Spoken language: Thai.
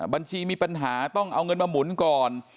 บัญชีมีปัญหาต้องเอาเงินมาหมุนก่อน